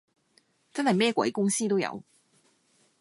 真係咩鬼公司都有